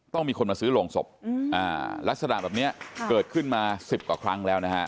ต้องมีคนมาซื้อโรงศพลักษณะแบบนี้เกิดขึ้นมา๑๐กว่าครั้งแล้วนะฮะ